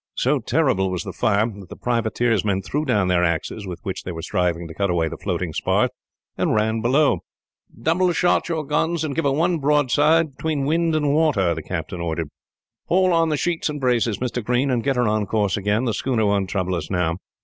So terrible was the fire, that the privateer's men threw down the axes with which they were striving to cut away the floating spars, and ran below. "Double shot your guns, and give her one broadside between wind and water!" the captain ordered. "Haul on the sheets and braces, Mr. Green, and get her on her course again the schooner won't trouble us, now."